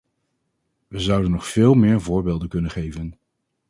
We zouden nog veel meer voorbeelden kunnen geven.